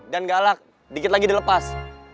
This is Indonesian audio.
dan galak dikit lagi dilepas